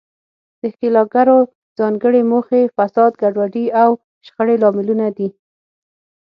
د ښکیلاکګرو ځانګړې موخې، فساد، ګډوډي او شخړې لاملونه دي.